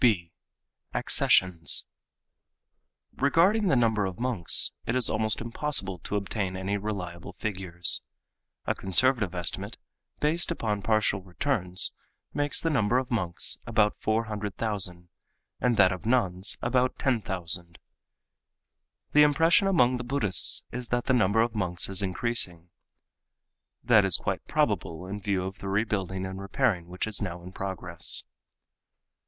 (b) Accessions.—Regarding the number of monks it is almost impossible to obtain any reliable figures. A conservative estimate, based upon partial returns, makes the number of monks about 400,000 and that of nuns about 10,000. The impression among the Buddhists is that the number of monks is increasing. That is quite probable in view of the rebuilding and repairing which is now in progress.